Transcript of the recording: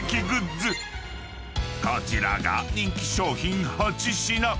［こちらが人気商品８品］